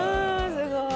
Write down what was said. すごい！